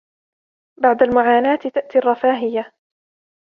بعد المعاناة تأتي الرفاهية